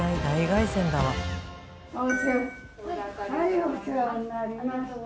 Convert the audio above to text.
はいお世話になります。